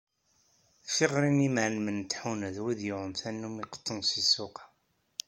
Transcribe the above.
Tiɣri n yimεellmen n tḥuna d wid yuɣen tannumi qeṭṭun seg ssuq-a.